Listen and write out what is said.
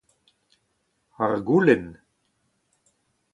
Ar goulenn.